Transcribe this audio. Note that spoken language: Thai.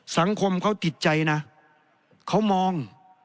สังคมเขาติดใจนะเขามอง